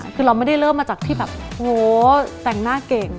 คือเราไม่ได้เริ่มมาจากที่แบบโหแต่งหน้าเก่ง